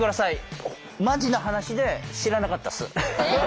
マジな話で知らなかったっす。